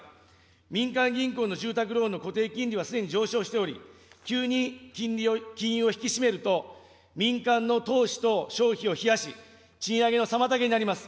民間銀行の住宅ローンの固定金利はすでに上昇しており、急に金融を引き締めると、民間の投資と消費を冷やし、賃上げの妨げになります。